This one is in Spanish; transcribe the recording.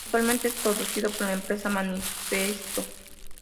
Actualmente es producido por la empresa Manifesto.